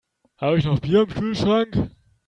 Habe ich noch Bier im Kühlschrank?